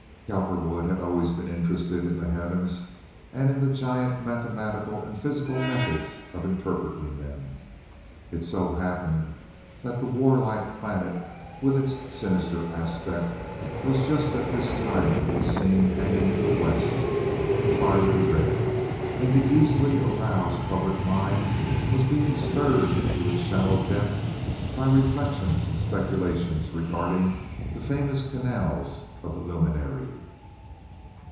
Cowperwood had always been interested in the heavens and in the giant mathematical and physical methods of interpreting them. It so happened that the war like planet, with its sinister aspect, was just at this time to be seen hanging in the west, a fiery red; and the easily aroused public mind was being stirred to its shallow depth by reflections and speculations regarding the famous canals of the luminary.